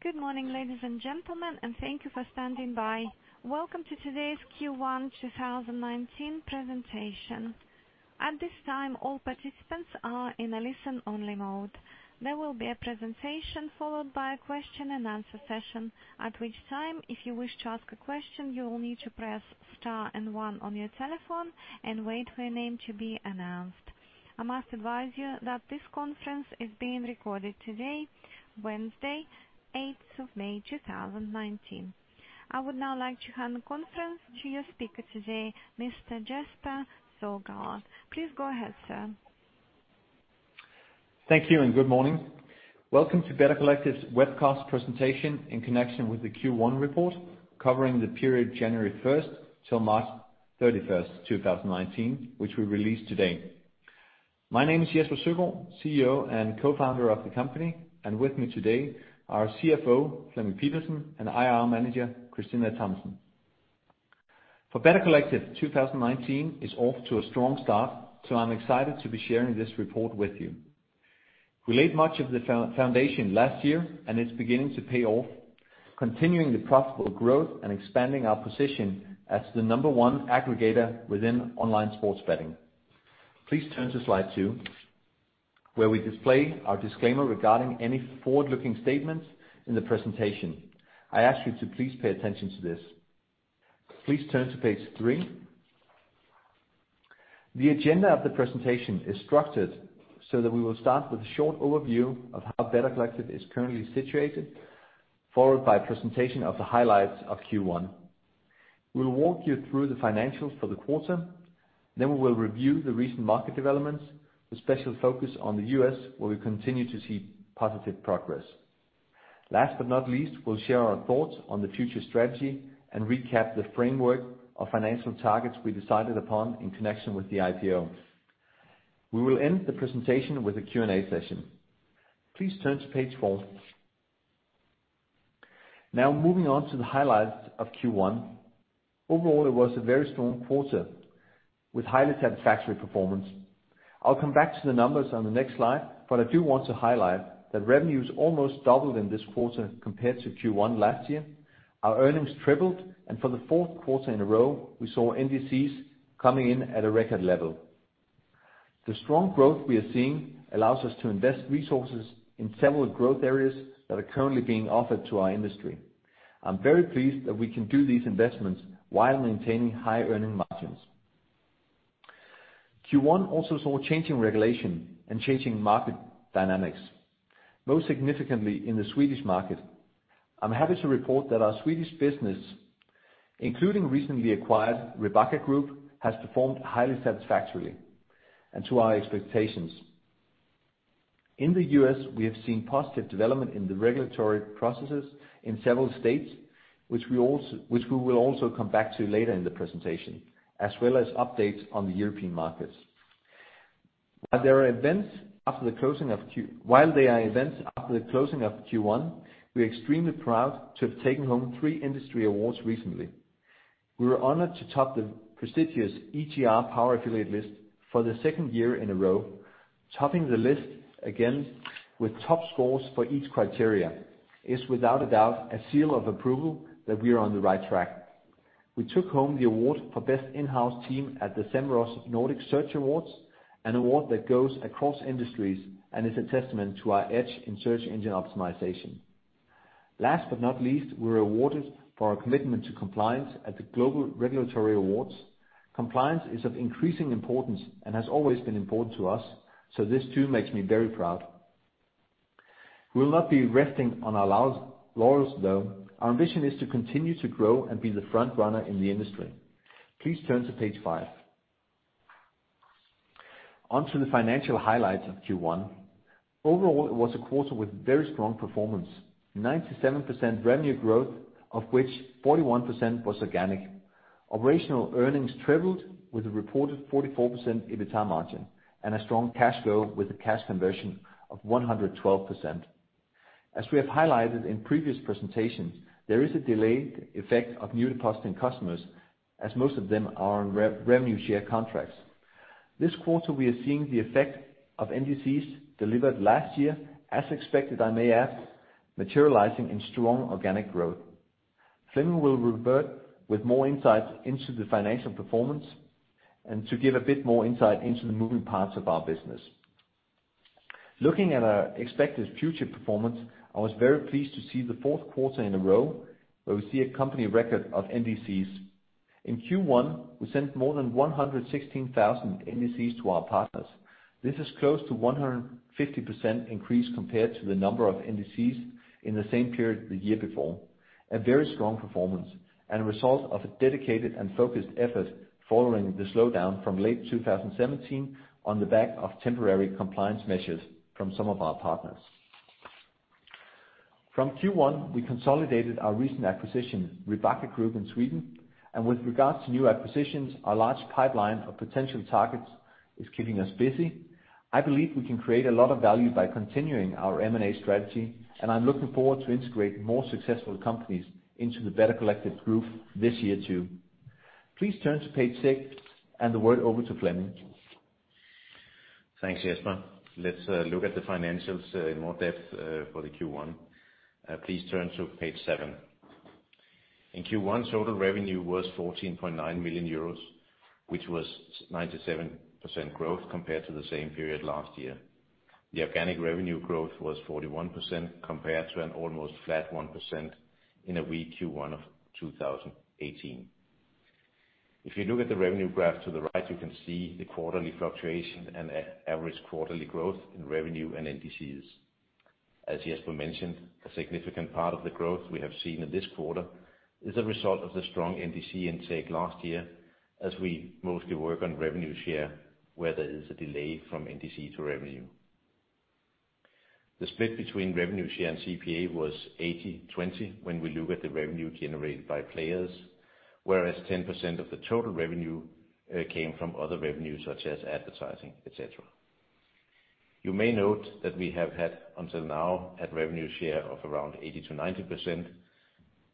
Good morning, ladies and gentlemen. Thank you for standing by. Welcome to today's Q1 2019 presentation. At this time, all participants are in a listen-only mode. There will be a presentation followed by a question and answer session, at which time, if you wish to ask a question, you will need to press star and one on your telephone and wait for your name to be announced. I must advise you that this conference is being recorded today, Wednesday, 8th of May, 2019. I would now like to hand the conference to your speaker today, Mr. Jesper Søgaard. Please go ahead, sir. Thank you. Good morning. Welcome to Better Collective's webcast presentation in connection with the Q1 report, covering the period January 1st till March 31st, 2019, which we released today. My name is Jesper Søgaard, CEO and co-founder of the company, and with me today are CFO Flemming Pedersen and IR Manager Christina Thomsen. For Better Collective, 2019 is off to a strong start, so I'm excited to be sharing this report with you. We laid much of the foundation last year, and it's beginning to pay off, continuing the profitable growth and expanding our position as the number one aggregator within online sports betting. Please turn to slide two, where we display our disclaimer regarding any forward-looking statements in the presentation. I ask you to please pay attention to this. Please turn to page three. The agenda of the presentation is structured so that we will start with a short overview of how Better Collective is currently situated, followed by presentation of the highlights of Q1. We'll walk you through the financials for the quarter. Then we will review the recent market developments, with special focus on the U.S., where we continue to see positive progress. Last but not least, we'll share our thoughts on the future strategy and recap the framework of financial targets we decided upon in connection with the IPO. We will end the presentation with a Q&A session. Please turn to page four. Now moving on to the highlights of Q1. Overall, it was a very strong quarter with highly satisfactory performance. I'll come back to the numbers on the next slide, but I do want to highlight that revenues almost doubled in this quarter compared to Q1 last year. Our earnings tripled. For the fourth quarter in a row, we saw NDCs coming in at a record level. The strong growth we are seeing allows us to invest resources in several growth areas that are currently being offered to our industry. I'm very pleased that we can do these investments while maintaining high-earning margins. Q1 also saw changing regulation and changing market dynamics, most significantly in the Swedish market. I'm happy to report that our Swedish business, including recently acquired Ribacka Group, has performed highly satisfactorily and to our expectations. In the U.S., we have seen positive development in the regulatory processes in several states, which we will also come back to later in the presentation, as well as updates on the European markets. While there are events after the closing of Q1, we're extremely proud to have taken home three industry awards recently. We were honored to top the prestigious EGR Power Affiliate list for the second year in a row. Topping the list again with top scores for each criterion is without a doubt a seal of approval that we are on the right track. We took home the award for Best In-House Team at the SEMrush Nordic Search Awards, an award that goes across industries and is a testament to our edge in search engine optimization. Last but not least, we were awarded for our commitment to compliance at the Global Regulatory Awards. Compliance is of increasing importance and has always been important to us. This too makes me very proud. We'll not be resting on our laurels, though. Our ambition is to continue to grow and be the front-runner in the industry. Please turn to page five. On to the financial highlights of Q1. Overall, it was a quarter with very strong performance, 97% revenue growth, of which 41% was organic. Operational earnings tripled with a reported 44% EBITA margin and a strong cash flow with a cash conversion of 112%. As we have highlighted in previous presentations, there is a delayed effect of new depositing customers as most of them are on revenue share contracts. This quarter, we are seeing the effect of NDCs delivered last year, as expected, I may add, materializing in strong organic growth. Flemming will revert with more insights into the financial performance and to give a bit more insight into the moving parts of our business. Looking at our expected future performance, I was very pleased to see the fourth quarter in a row where we see a company record of NDCs. In Q1, we sent more than 116,000 NDCs to our partners. This is close to 150% increase compared to the number of NDCs in the same period the year before. A very strong performance and a result of a dedicated and focused effort following the slowdown from late 2017 on the back of temporary compliance measures from some of our partners. From Q1, we consolidated our recent acquisition, Ribacka Group in Sweden. With regards to new acquisitions, our large pipeline of potential targets is keeping us busy. I believe we can create a lot of value by continuing our M&A strategy. I'm looking forward to integrating more successful companies into the Better Collective group this year too. Please turn to page six. The word over to Flemming. Thanks, Jesper. Let's look at the financials in more depth for the Q1. Please turn to page seven. In Q1, total revenue was 14.9 million euros, which was 97% growth compared to the same period last year. The organic revenue growth was 41%, compared to an almost flat 1% in a weak Q1 of 2018. If you look at the revenue graph to the right, you can see the quarterly fluctuation and average quarterly growth in revenue and NDCs. As Jesper mentioned, a significant part of the growth we have seen in this quarter is a result of the strong NDC intake last year, as we mostly work on revenue share where there is a delay from NDC to revenue. The split between revenue share and CPA was 80/20 when we look at the revenue generated by players, whereas 10% of the total revenue came from other revenue such as advertising, et cetera. You may note that we have had until now had revenue share of around 80%-90%.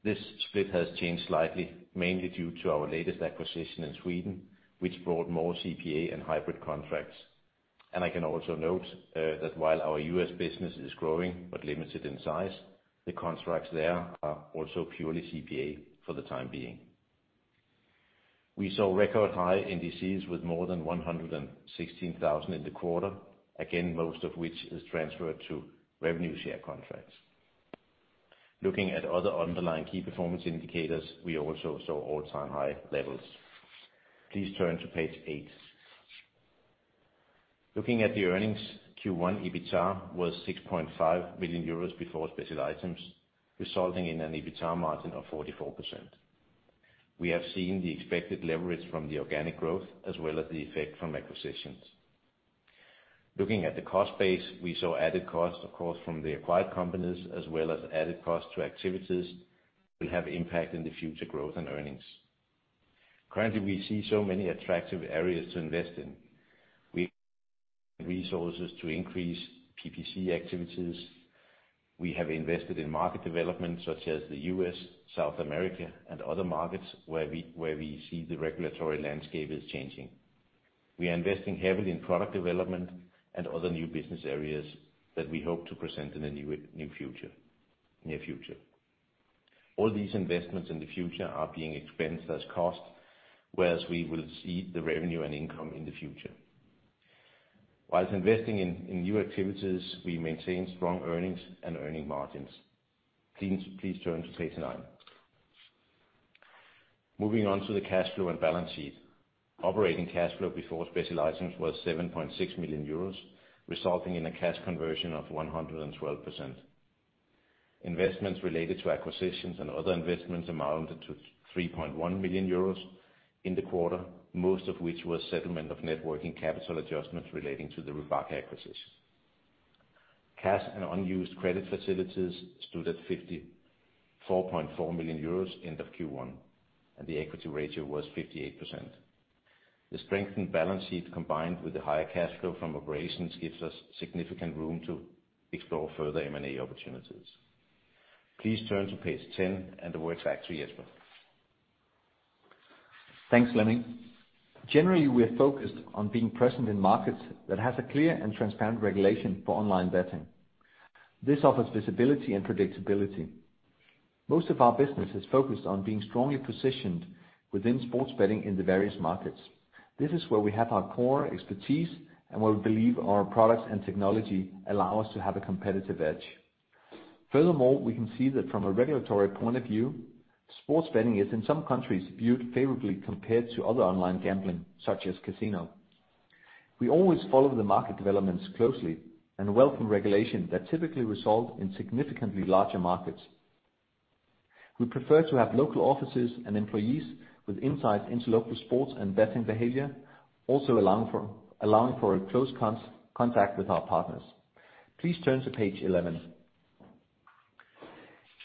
This split has changed slightly, mainly due to our latest acquisition in Sweden, which brought more CPA and hybrid contracts. I can also note that while our U.S. business is growing but limited in size, the contracts there are also purely CPA for the time being. We saw record high NDCs with more than 116,000 in the quarter, again, most of which is transferred to revenue share contracts. Looking at other underlying key performance indicators, we also saw all-time high levels. Please turn to page eight. Looking at the earnings, Q1 EBITA was 6.5 million euros before special items, resulting in an EBITA margin of 44%. We have seen the expected leverage from the organic growth as well as the effect from acquisitions. Looking at the cost base, we saw added cost, of course, from the acquired companies as well as added cost to activities will have impact in the future growth and earnings. Currently, we see so many attractive areas to invest in. We have resources to increase PPC activities. We have invested in market development such as the U.S., South America, and other markets where we see the regulatory landscape is changing. We are investing heavily in product development and other new business areas that we hope to present in the near future. All these investments in the future are being expensed as cost, whereas we will see the revenue and income in the future. Whilst investing in new activities, we maintain strong earnings and earning margins. Please turn to page nine. Moving on to the cash flow and balance sheet. Operating cash flow before special items was 7.6 million euros, resulting in a cash conversion of 112%. Investments related to acquisitions and other investments amounted to 3.1 million euros in the quarter, most of which was settlement of net working capital adjustments relating to the Ribacka acquisition. Cash and unused credit facilities stood at 54.4 million euros end of Q1, and the equity ratio was 58%. The strengthened balance sheet, combined with the higher cash flow from operations, gives us significant room to explore further M&A opportunities. Please turn to page 10. The word back to Jesper. Thanks, Flemming. Generally, we're focused on being present in markets that have a clear and transparent regulation for online betting. This offers visibility and predictability. Most of our business is focused on being strongly positioned within sports betting in the various markets. This is where we have our core expertise and where we believe our products and technology allow us to have a competitive edge. Furthermore, we can see that from a regulatory point of view, sports betting is in some countries viewed favorably compared to other online gambling, such as casino. We always follow the market developments closely and welcome regulation that typically result in significantly larger markets. We prefer to have local offices and employees with insight into local sports and betting behavior, also allowing for a close contact with our partners. Please turn to page 11.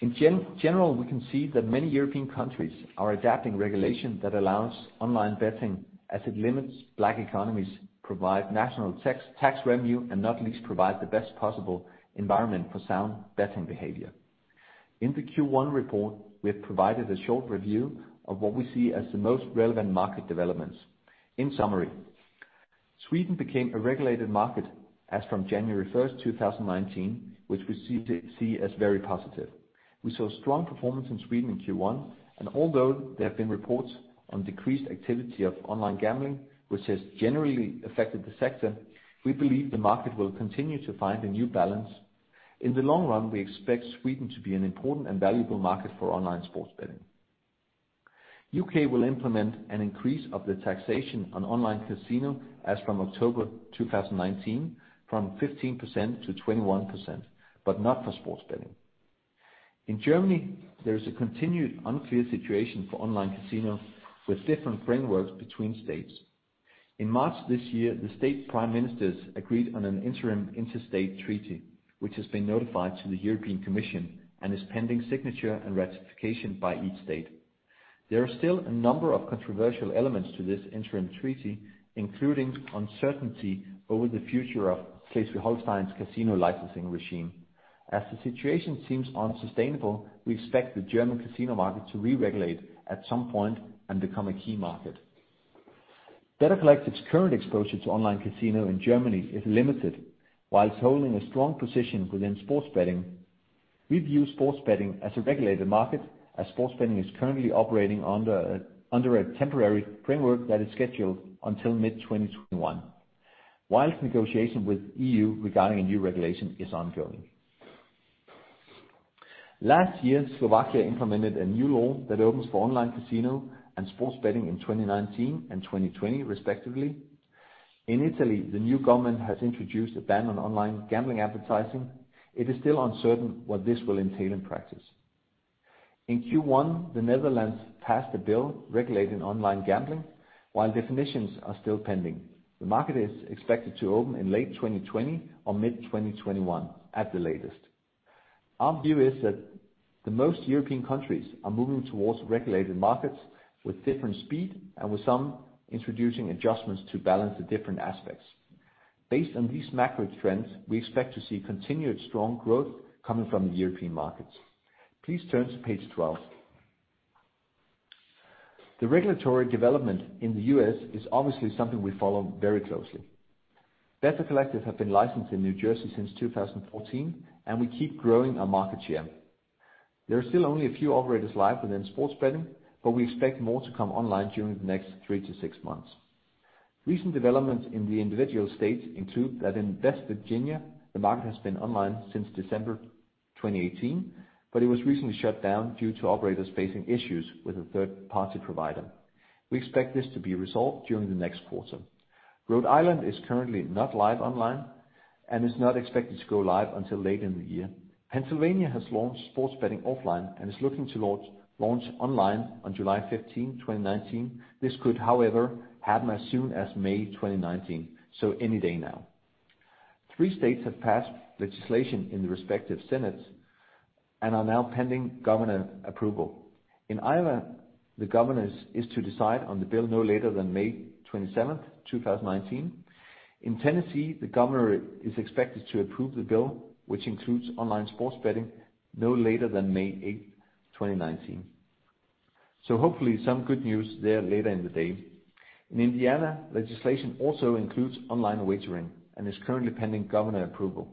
In general, we can see that many European countries are adapting regulation that allows online betting as it limits black economies, provide national tax revenue, and not least provide the best possible environment for sound betting behavior. In the Q1 report, we have provided a short review of what we see as the most relevant market developments. In summary, Sweden became a regulated market as from January 1st, 2019, which we see as very positive. We saw strong performance in Sweden in Q1, and although there have been reports on decreased activity of online gambling, which has generally affected the sector, we believe the market will continue to find a new balance. In the long run, we expect Sweden to be an important and valuable market for online sports betting. U.K. will implement an increase of the taxation on online casino as from October 2019 from 15%-21%, but not for sports betting. In Germany, there is a continued unclear situation for online casino with different frameworks between states. In March this year, the state prime ministers agreed on an interim interstate treaty, which has been notified to the European Commission and is pending signature and ratification by each state. There are still a number of controversial elements to this interim treaty, including uncertainty over the future of Schleswig-Holstein's casino licensing regime. As the situation seems unsustainable, we expect the German casino market to reregulate at some point and become a key market. Better Collective's current exposure to online casino in Germany is limited, whilst holding a strong position within sports betting. We view sports betting as a regulated market, as sports betting is currently operating under a temporary framework that is scheduled until mid-2021, whilst negotiation with EU regarding a new regulation is ongoing. Last year, Slovakia implemented a new law that opens for online casino and sports betting in 2019 and 2020 respectively. In Italy, the new government has introduced a ban on online gambling advertising. It is still uncertain what this will entail in practice. In Q1, the Netherlands passed a bill regulating online gambling, while definitions are still pending. The market is expected to open in late 2020 or mid-2021 at the latest. Our view is that the most European countries are moving towards regulated markets with different speed and with some introducing adjustments to balance the different aspects. Based on these macro trends, we expect to see continued strong growth coming from the European markets. Please turn to page 12. The regulatory development in the U.S. is obviously something we follow very closely. Better Collective have been licensed in New Jersey since 2014, and we keep growing our market share. There are still only a few operators live within sports betting, but we expect more to come online during the next three to six months. Recent developments in the individual states include that in West Virginia, the market has been online since December 2018, but it was recently shut down due to operators facing issues with a third-party provider. We expect this to be resolved during the next quarter. Rhode Island is currently not live online and is not expected to go live until late in the year. Pennsylvania has launched sports betting offline and is looking to launch online on July 15, 2019. This could, however, happen as soon as May 2019, any day now. Three states have passed legislation in the respective senates and are now pending governor approval. In Iowa, the governor is to decide on the bill no later than May 27th, 2019. In Tennessee, the governor is expected to approve the bill, which includes online sports betting no later than May 8th, 2019. Hopefully some good news there later in the day. In Indiana, legislation also includes online wagering and is currently pending governor approval.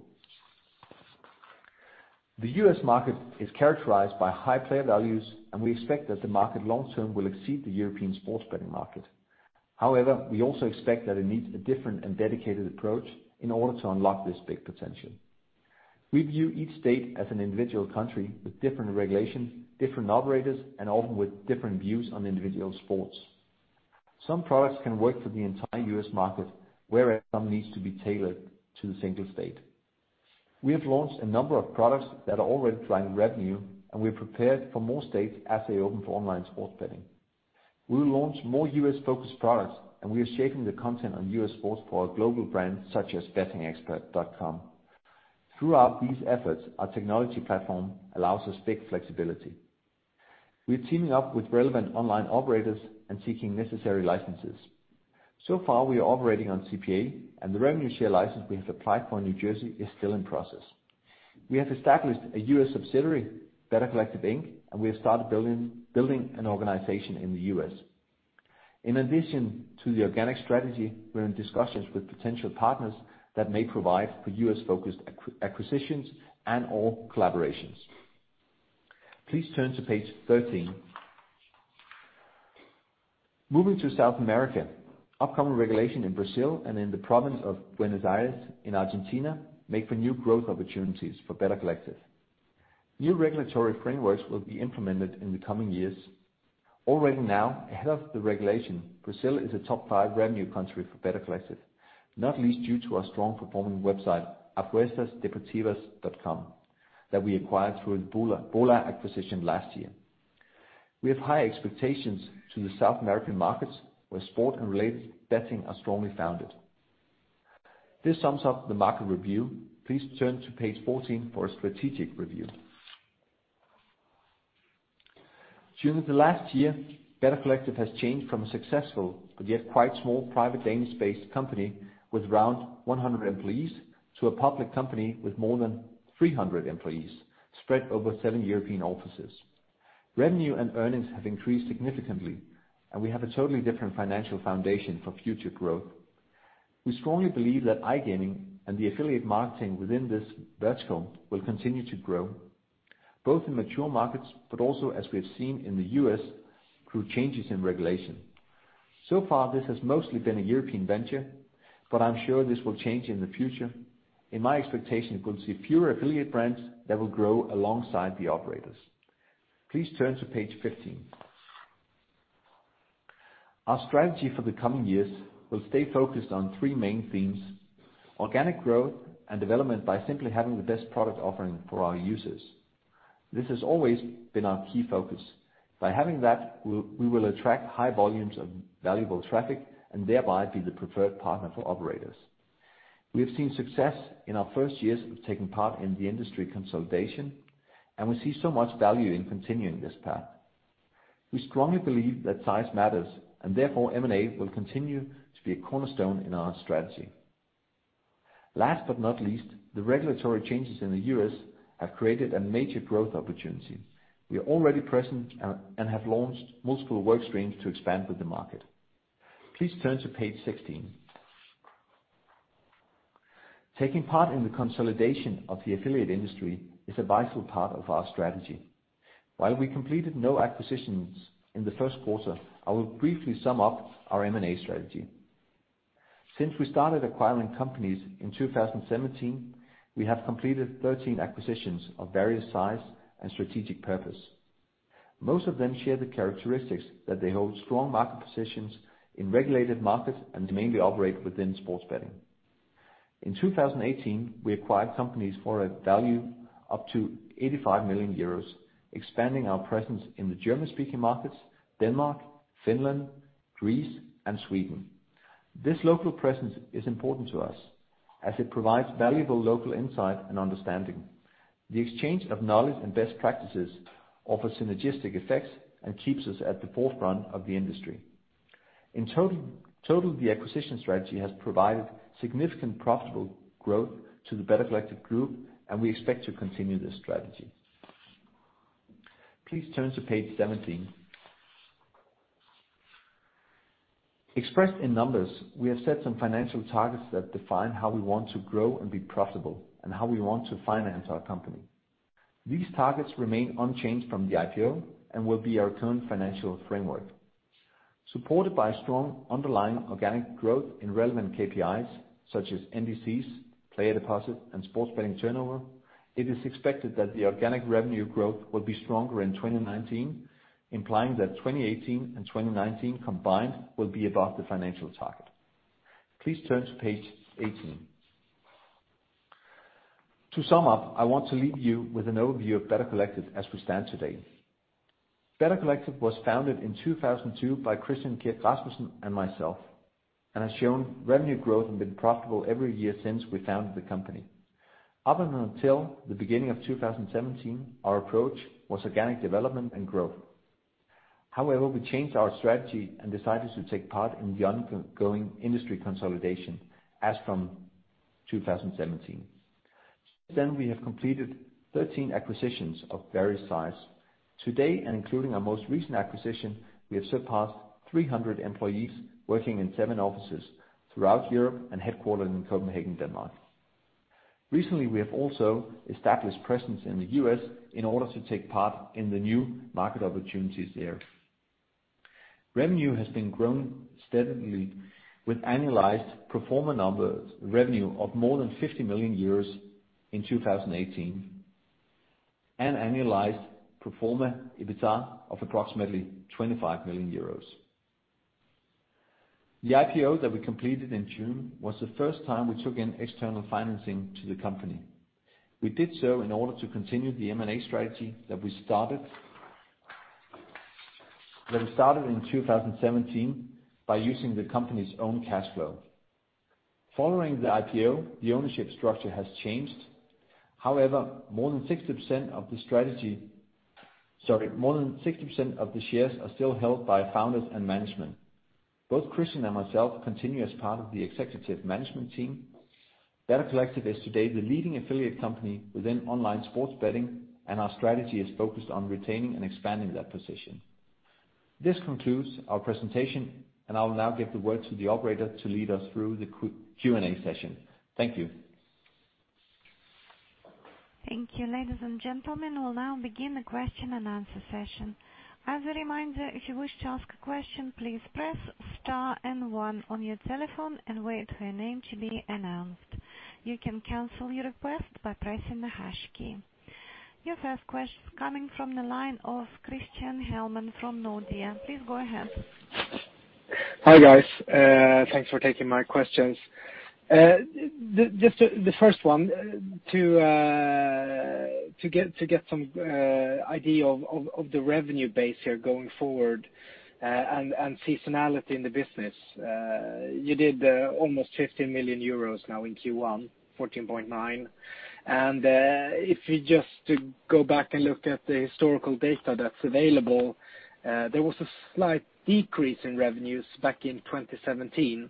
The U.S. market is characterized by high player values, and we expect that the market long term will exceed the European sports betting market. We also expect that it needs a different and dedicated approach in order to unlock this big potential. We view each state as an individual country with different regulation, different operators, and often with different views on individual sports. Some products can work for the entire U.S. market, whereas some needs to be tailored to the single state. We have launched a number of products that are already driving revenue, and we are prepared for more states as they open for online sports betting. We will launch more U.S.-focused products, and we are shaping the content on U.S. sports for our global brands such as bettingexpert.com. Throughout these efforts, our technology platform allows us big flexibility. We are teaming up with relevant online operators and seeking necessary licenses. So far, we are operating on CPA and the revenue share license we have applied for in New Jersey is still in process. We have established a U.S. subsidiary, Better Collective Inc., and we have started building an organization in the U.S. In addition to the organic strategy, we are in discussions with potential partners that may provide for U.S.-focused acquisitions and or collaborations. Please turn to page 13. Moving to South America. Upcoming regulation in Brazil and in the province of Buenos Aires in Argentina make for new growth opportunities for Better Collective. New regulatory frameworks will be implemented in the coming years. Already now, ahead of the regulation, Brazil is a top five revenue country for Better Collective, not least due to our strong performing website, apostasdesportivas.com that we acquired through the Bola acquisition last year. We have high expectations to the South American markets where sport and related betting are strongly founded. This sums up the market review. Please turn to page 14 for a strategic review. During the last year, Better Collective has changed from a successful but yet quite small private Danish-based company with around 100 employees to a public company with more than 300 employees spread over seven European offices. Revenue and earnings have increased significantly, and we have a totally different financial foundation for future growth. We strongly believe that iGaming and the affiliate marketing within this vertical will continue to grow, both in mature markets, but also as we have seen in the U.S. through changes in regulation. This has mostly been a European venture, I am sure this will change in the future. In my expectation, we will see fewer affiliate brands that will grow alongside the operators. Please turn to page 15. Our strategy for the coming years will stay focused on three main themes. Organic growth and development by simply having the best product offering for our users. This has always been our key focus. By having that, we will attract high volumes of valuable traffic and thereby be the preferred partner for operators. We have seen success in our first years of taking part in the industry consolidation, and we see so much value in continuing this path. We strongly believe that size matters, and therefore M&A will continue to be a cornerstone in our strategy. Last but not least, the regulatory changes in the U.S. have created a major growth opportunity. We are already present and have launched multiple work streams to expand with the market. Please turn to page 16. Taking part in the consolidation of the affiliate industry is a vital part of our strategy. While we completed no acquisitions in the first quarter, I will briefly sum up our M&A strategy. Since we started acquiring companies in 2017, we have completed 13 acquisitions of various size and strategic purpose. Most of them share the characteristics that they hold strong market positions in regulated markets and mainly operate within sports betting. In 2018, we acquired companies for a value up to 85 million euros, expanding our presence in the German-speaking markets, Denmark, Finland, Greece, and Sweden. This local presence is important to us as it provides valuable local insight and understanding. The exchange of knowledge and best practices offers synergistic effects and keeps us at the forefront of the industry. In total, the acquisition strategy has provided significant profitable growth to the Better Collective group, and we expect to continue this strategy. Please turn to page 17. Expressed in numbers, we have set some financial targets that define how we want to grow and be profitable, and how we want to finance our company. These targets remain unchanged from the IPO and will be our current financial framework. Supported by strong underlying organic growth in relevant KPIs such as NDCs, player deposit, and sports betting turnover, it is expected that the organic revenue growth will be stronger in 2019, implying that 2018 and 2019 combined will be above the financial target. Please turn to page 18. To sum up, I want to leave you with an overview of Better Collective as we stand today. Better Collective was founded in 2002 by Christian Kirk Rasmussen and myself, and has shown revenue growth and been profitable every year since we founded the company. Up until the beginning of 2017, our approach was organic development and growth. We changed our strategy and decided to take part in the ongoing industry consolidation as from 2017. Since then, we have completed 13 acquisitions of various size. Today, and including our most recent acquisition, we have surpassed 300 employees working in seven offices throughout Europe and headquartered in Copenhagen, Denmark. Recently, we have also established presence in the U.S. in order to take part in the new market opportunities there. Revenue has been growing steadily with annualized pro forma revenue of more than 50 million euros in 2018, and annualized pro forma EBITDA of approximately 25 million euros. The IPO that we completed in June was the first time we took in external financing to the company. We did so in order to continue the M&A strategy that we started in 2017 by using the company's own cash flow. Following the IPO, the ownership structure has changed. However, more than 60% of the shares are still held by founders and management. Both Christian and myself continue as part of the executive management team. Better Collective is today the leading affiliate company within online sports betting, and our strategy is focused on retaining and expanding that position. This concludes our presentation, and I will now give the word to the operator to lead us through the Q&A session. Thank you. Thank you. Ladies and gentlemen, we'll now begin the question and answer session. As a reminder, if you wish to ask a question, please press star and one on your telephone and wait for your name to be announced. You can cancel your request by pressing the hash key. Your first question coming from the line of Christian Hellman from Nordea. Please go ahead. Hi, guys. Thanks for taking my questions. The first one, to get some idea of the revenue base here going forward and seasonality in the business. You did almost 15 million euros now in Q1, 14.9. If you just go back and look at the historical data that's available, there was a slight decrease in revenues back in 2017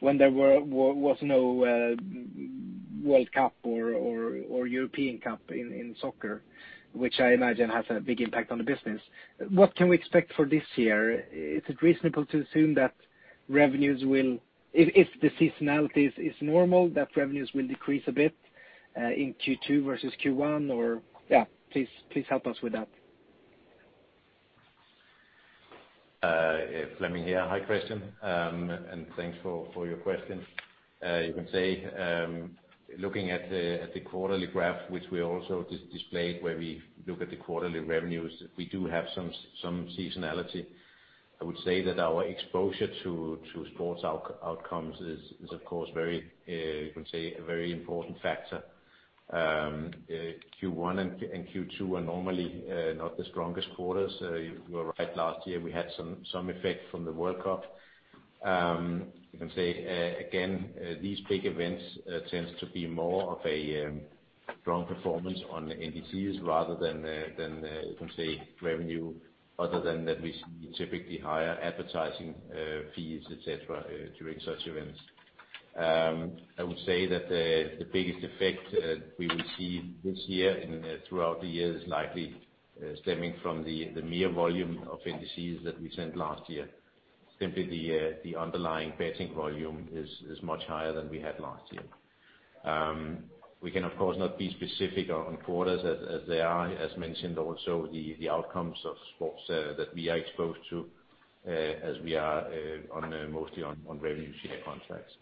when there was no World Cup or European Cup in soccer, which I imagine has a big impact on the business. What can we expect for this year? Is it reasonable to assume that if the seasonality is normal, that revenues will decrease a bit in Q2 versus Q1? Please help us with that. Flemming here. Hi, Christian, thanks for your question. Looking at the quarterly graph, which we also displayed where we look at the quarterly revenues, we do have some seasonality. I would say that our exposure to sports outcomes is, of course, a very important factor. Q1 and Q2 are normally not the strongest quarters. You are right. Last year we had some effect from the World Cup Again, these big events tends to be more of a strong performance on NDCs rather than revenue, other than that we see typically higher advertising fees, et cetera, during such events. I would say that the biggest effect we will see this year and throughout the year is likely stemming from the mere volume of NDCs that we sent last year. Simply the underlying betting volume is much higher than we had last year. We can, of course, not be specific on quarters as they are, as mentioned also, the outcomes of sports that we are exposed to as we are mostly on revenue share contracts.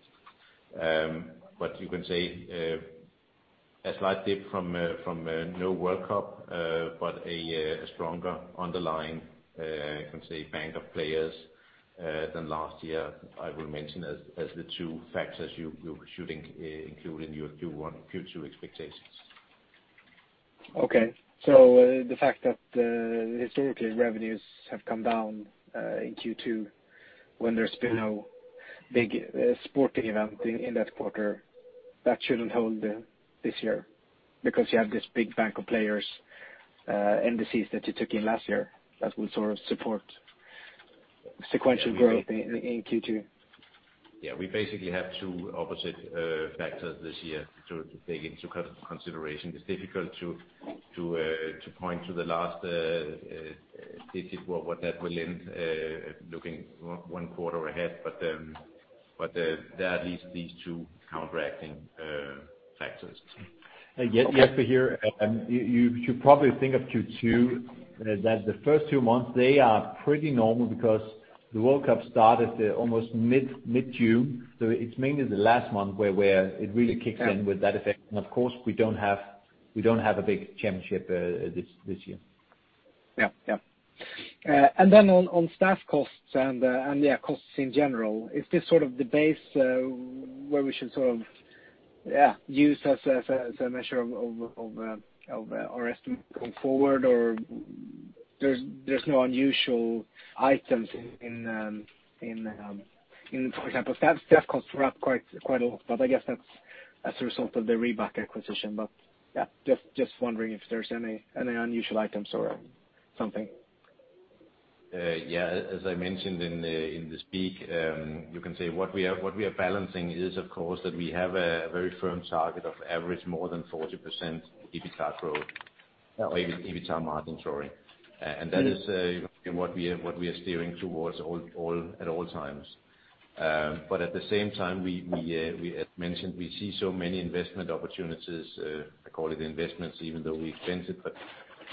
A slight dip from no World Cup, but a stronger underlying bank of players than last year, I will mention as the two factors you should include in your Q2 expectations. The fact that historically revenues have come down in Q2 when there's been no big sporting event in that quarter, that shouldn't hold this year because you have this big bank of players NDCs that you took in last year that will sort of support sequential growth in Q2. We basically have two opposite factors this year to take into consideration. It's difficult to point to the last digit, what that will end looking one quarter ahead, there are at least these two counteracting factors. Yeah. Jesper here. You should probably think of Q2 that the first two months, they are pretty normal because the World Cup started almost mid-June. It's mainly the last month where it really kicks in with that effect. Of course, we don't have a big championship this year. On staff costs and costs in general, is this the base where we should use as a measure of our estimate going forward or there's no unusual items in, for example, staff costs were up quite a lot, but I guess that's as a result of the Ribacka acquisition? Just wondering if there's any unusual items or something. As I mentioned in the speak, what we are balancing is that we have a very firm target of average more than 40% EBITDA growth or EBITDA margin, sorry. That is what we are steering towards at all times. At the same time, as mentioned, we see so many investment opportunities. I call it investments even though we expense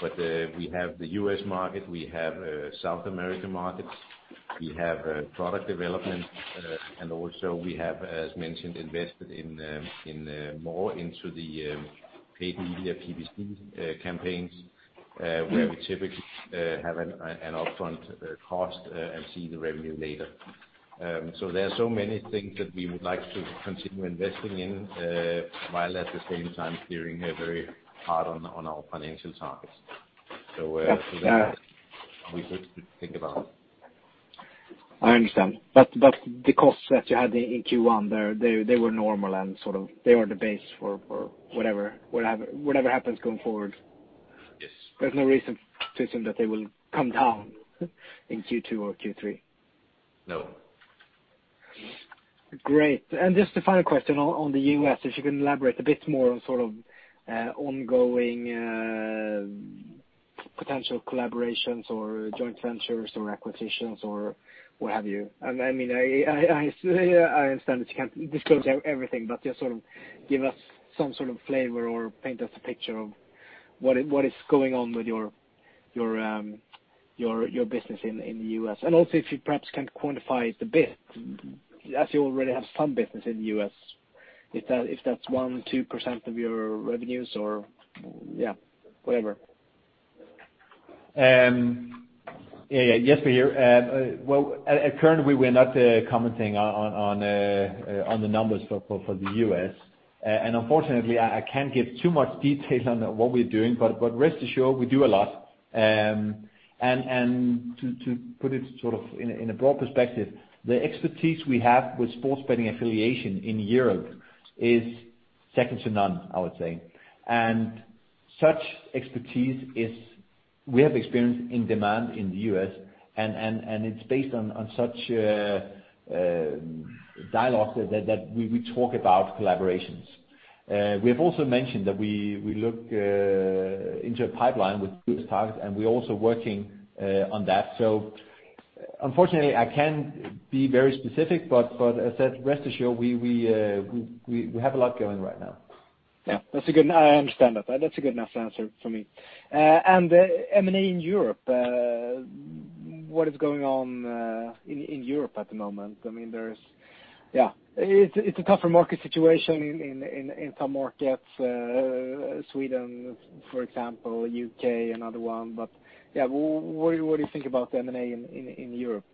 it, but we have the U.S. market, we have South American markets, we have product development, and also we have, as mentioned, invested more into the paid media PPC campaigns where we typically have an upfront cost and see the revenue later. There are so many things that we would like to continue investing in while at the same time steering very hard on our financial targets. I understand. The costs that you had in Q1, they were normal and they were the base for whatever happens going forward. Yes. There's no reason to assume that they will come down in Q2 or Q3. No. Great. Just the final question on the U.S., if you can elaborate a bit more on sort of ongoing potential collaborations or joint ventures or acquisitions or what have you. I understand that you can't disclose everything, but just sort of give us some sort of flavor or paint us a picture of what is going on with your business in the U.S. Also if you perhaps can quantify the bit, as you already have some business in the U.S., if that's 1%, 2% of your revenues or yeah, whatever. Yeah. Jesper here. Currently we are not commenting on the numbers for the U.S. Unfortunately, I can't give too much detail on what we're doing, but rest assured we do a lot. To put it sort of in a broad perspective, the expertise we have with sports betting affiliation in Europe is second to none, I would say. Such expertise is we have experienced in demand in the U.S., and it's based on such dialogue that we talk about collaborations. We have also mentioned that we look into a pipeline with U.S. targets, and we're also working on that. Unfortunately, I can't be very specific, but as said, rest assured we have a lot going right now. Yeah. I understand that. That's a good enough answer for me. The M&A in Europe, what is going on in Europe at the moment? It's a tougher market situation in some markets, Sweden, for example, U.K., another one. What do you think about the M&A in Europe?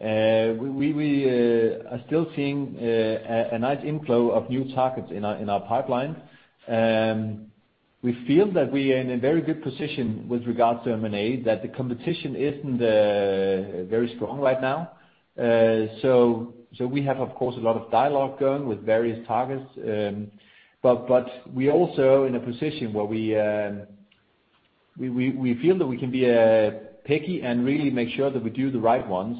We are still seeing a nice inflow of new targets in our pipeline. We feel that we are in a very good position with regards to M&A, that the competition isn't very strong right now. We have, of course, a lot of dialogue going with various targets. We're also in a position where we feel that we can be picky and really make sure that we do the right ones.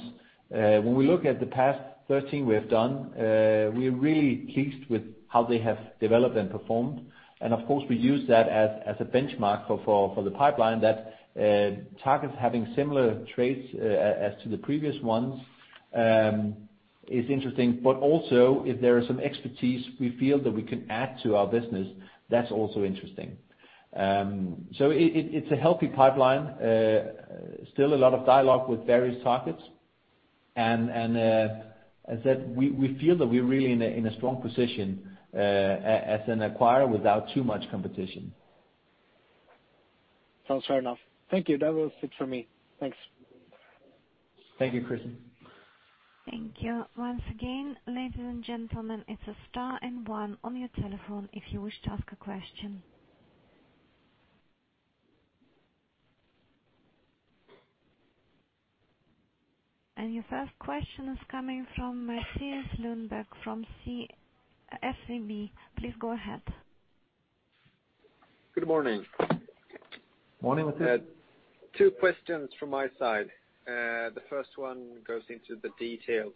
When we look at the past 13 we have done, we are really pleased with how they have developed and performed. Of course, we use that as a benchmark for the pipeline, that targets having similar traits as to the previous ones is interesting. Also, if there is some expertise we feel that we can add to our business, that's also interesting. It's a healthy pipeline. Still a lot of dialogue with various targets, and as I said, we feel that we are really in a strong position as an acquirer without too much competition. Sounds fair enough. Thank you. That was it for me. Thanks. Thank you, Chris. Thank you. Once again, ladies and gentlemen, it's star and one on your telephone if you wish to ask a question. Your first question is coming from Mattias Lundberg from SEB. Please go ahead. Good morning. Morning, Mattias. Two questions from my side. The first one goes into the details.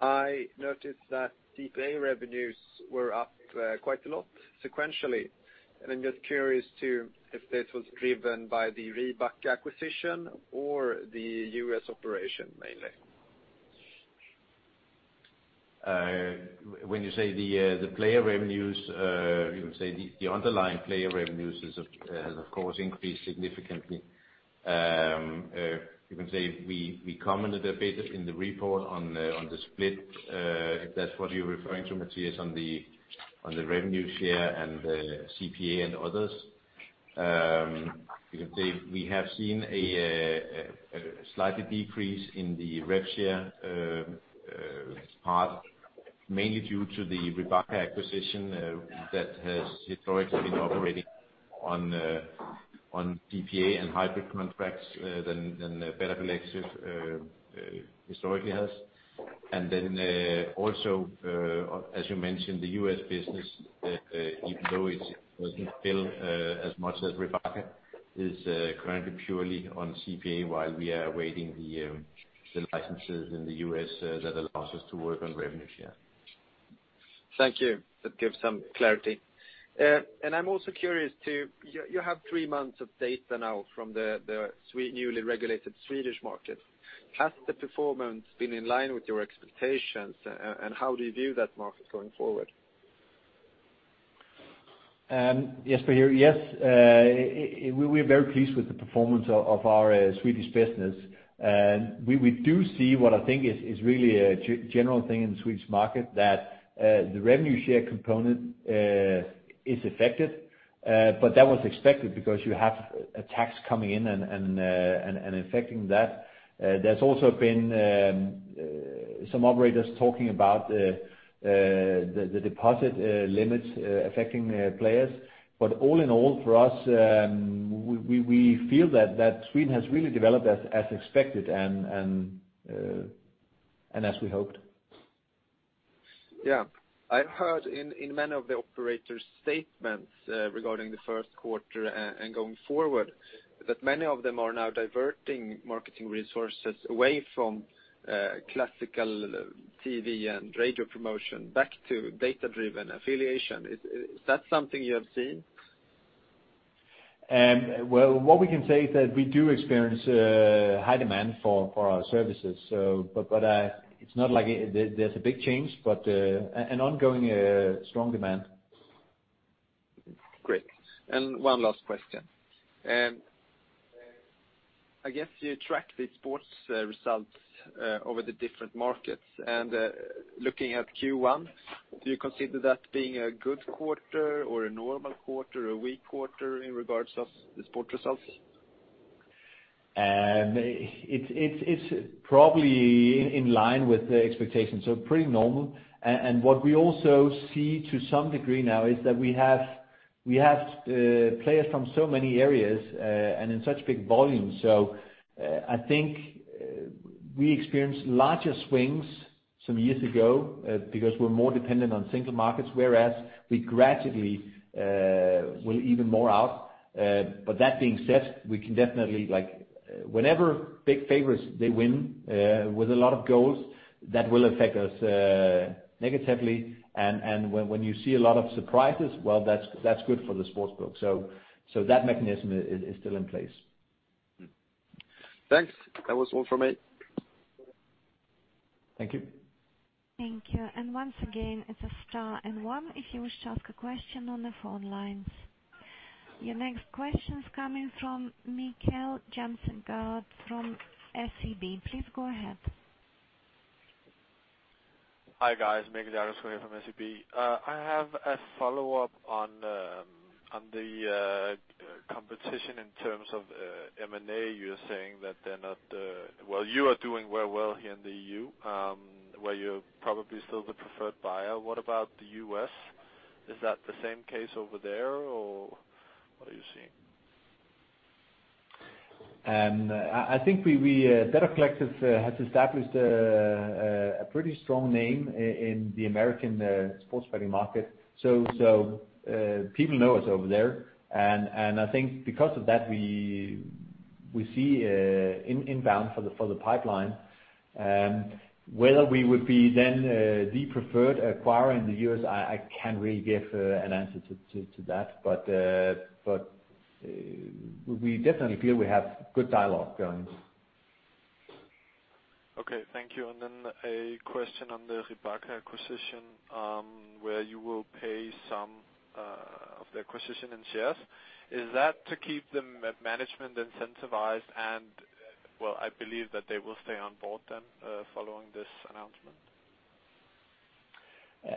I noticed that the player revenues were up quite a lot sequentially. I'm just curious too, if this was driven by the Ribacka acquisition or the U.S. operation mainly. When you say the player revenues, you can say the underlying player revenues has, of course, increased significantly. You can say we commented a bit in the report on the split, if that's what you're referring to, Mattias, on the revenue share and the CPA and others. You can say we have seen a slight decrease in the rev share part, mainly due to the Ribacka acquisition that has historically been operating on CPA and hybrid contracts than Better Collective historically has. Then also as you mentioned, the U.S. business, even though it doesn't bill as much as Ribacka, is currently purely on CPA while we are awaiting the licenses in the U.S. that allows us to work on revenue share. Thank you. That gives some clarity. I'm also curious too, you have three months of data now from the newly regulated Swedish market. Has the performance been in line with your expectations, and how do you view that market going forward? Jesper here. Yes. We're very pleased with the performance of our Swedish business. We do see what I think is really a general thing in the Swedish market, that the revenue share component is affected. That was expected because you have a tax coming in and affecting that. There's also been some operators talking about the deposit limits affecting players. All in all, for us, we feel that Sweden has really developed as expected and as we hoped. Yeah. I've heard in many of the operators' statements regarding the first quarter and going forward, that many of them are now diverting marketing resources away from classical TV and radio promotion back to data-driven affiliation. Is that something you have seen? Well, what we can say is that we do experience high demand for our services. It's not like there's a big change, but an ongoing strong demand. Great. One last question. I guess you track the sports results over the different markets. Looking at Q1, do you consider that being a good quarter or a normal quarter or a weak quarter in regards of the sports results? It's probably in line with the expectations, so pretty normal. What we also see to some degree now is that we have players from so many areas, and in such big volumes. I think we experienced larger swings some years ago because we're more dependent on single markets, whereas we gradually will even more out. That being said, we can definitely whenever big favorites, they win with a lot of goals, that will affect us negatively. When you see a lot of surprises, well, that's good for the sportsbook. That mechanism is still in place. Thanks. That was all from me. Thank you. Thank you. Once again, it's star 1 if you wish to ask a question on the phone lines. Your next question is coming from Mikkel Munch-Jacobsgaard from SEB. Please go ahead. Hi, guys. Mikkel Munch-Jacobsgaard from SEB. I have a follow-up on competition in terms of M&A, you're saying that you are doing very well here in the EU, where you're probably still the preferred buyer. What about the U.S.? Is that the same case over there, or what are you seeing? I think Better Collective has established a pretty strong name in the American sports betting market. People know us over there, and I think because of that, we see inbound for the pipeline. Whether we would be then the preferred acquirer in the U.S., I can't really give an answer to that. We definitely feel we have good dialogue going. Okay. Thank you. A question on the Ribacka acquisition, where you will pay some of the acquisition in shares. Is that to keep the management incentivized? Well, I believe that they will stay on board then, following this announcement.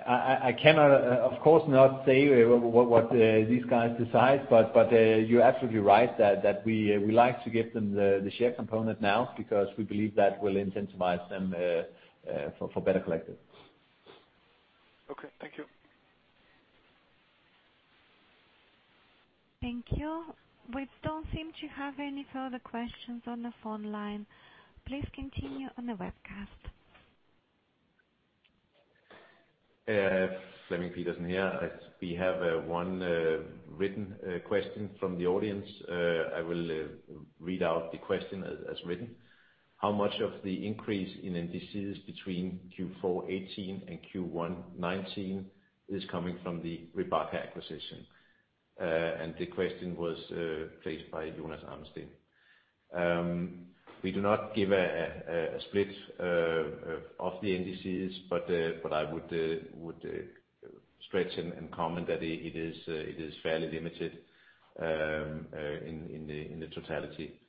I cannot, of course, say what these guys decide, but you're absolutely right that we like to give them the share component now, because we believe that will incentivize them for Better Collective. Okay. Thank you. Thank you. We don't seem to have any further questions on the phone line. Please continue on the webcast. Flemming Pedersen here. We have one written question from the audience. I will read out the question as written. How much of the increase in NDCs between Q4 2018 and Q1 2019 is coming from the Ribacka acquisition? The question was placed by Jonas Amnesten. We do not give a split of the NDCs, but I would stretch and comment that it is fairly limited in the totality.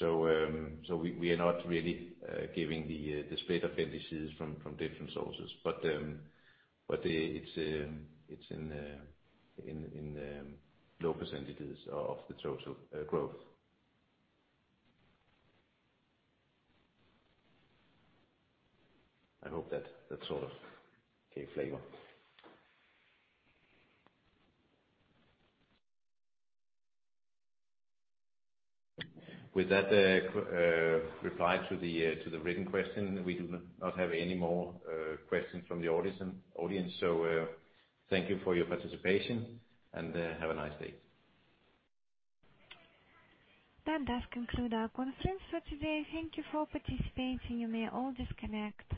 We are not really giving the split of NDCs from different sources, but it's in low % of the total growth. I hope that sort of gave flavor. With that reply to the written question, we do not have any more questions from the audience. Thank you for your participation, and have a nice day. That does conclude our conference for today. Thank you for participating. You may all disconnect.